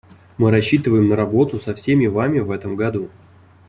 Мы рассчитываем на работу со всеми вами в этом году.